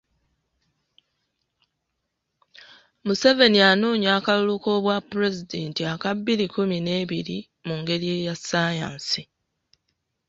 Museveni anoonya akalulu k'obwapulezidenti aka bbiri kkumi n'ebiri mungeri eya ssaayansi .